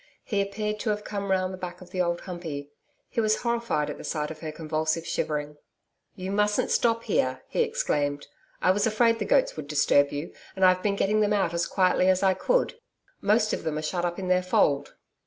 He appeared to have come round the back of the Old Humpey. He was horrified at the sight of her convulsive shivering. 'You mustn't stop here,' he exclaimed. 'I was afraid the goats would disturb you, and I've been getting them out as quietly as I could. Most of them are shut up in their fold.'